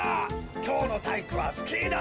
きょうのたいいくはスキーだ。